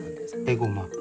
エゴマ。